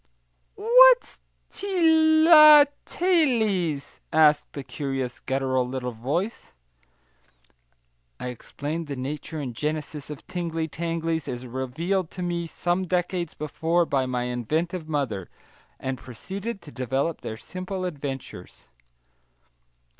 "What's ti ly ta lies?" asked a curious, guttural little voice. I explained the nature and genesis of tingly tanglies, as revealed to me some decades before by my inventive mother, and proceeded to develop their simple adventures.